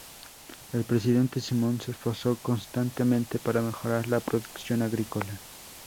El presidente Simon se esforzó constantemente para mejorar la producción agrícola.